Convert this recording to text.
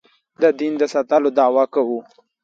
د دین د ساتلو دعوه کوو.